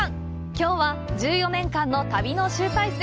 きょうは、１４年間の旅の集大成。